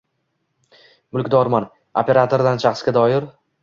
mulkdordan, operatordan shaxsga doir